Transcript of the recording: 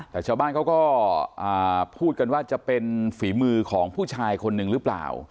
แต่ชาวบ้านเขาก็พูดกันว่าจะเป็นฝีมือของผู้ชายคนหนึ่งหรือเปล่า